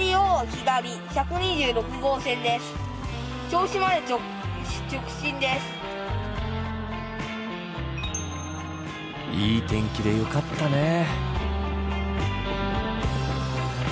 これいい天気でよかったねえ。